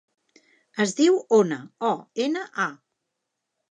Es diu Ona: o, ena, a.